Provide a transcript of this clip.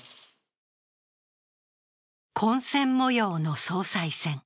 混戦模様の総裁選。